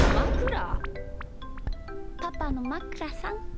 パパのまくらさん